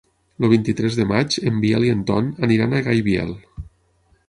El vint-i-tres de maig en Biel i en Ton aniran a Gaibiel.